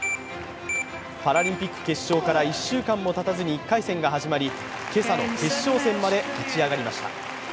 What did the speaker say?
パラリンピック決勝から１週間もたたずに１回戦が始まり、今朝の決勝戦まで勝ち上がりました。